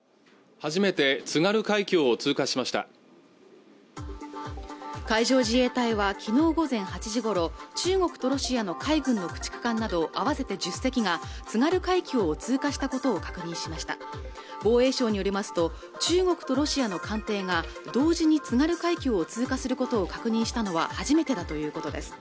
初めて津軽海峡を通過しました海上自衛隊はきのう午前８時ごろ中国とロシアの海軍の駆逐艦など合わせて１０隻が津軽海峡を通過したことを確認しました防衛省によりますと中国とロシアの艦艇が同時に津軽海峡を通過することを確認したのは初めてだということです